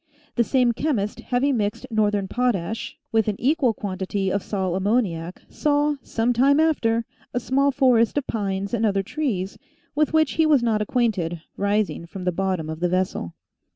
The same chemist, having mixed northern potash with an equal quantity of sal ammoniac, saw, some time after, a small forest of pines and other trees, with which he was not acquainted, rising from the bottom of the vessel.